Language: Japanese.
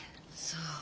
そう。